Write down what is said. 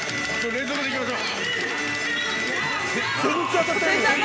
◆連続でいきましょう。